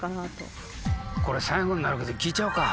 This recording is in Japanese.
これ最後になるけど聞いちゃおうか。